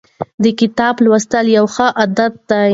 د کتاب لوستل یو ښه عادت دی.